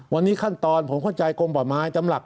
วันนี้ขั้นตอนผมเข้าใจกลมป่อมไม้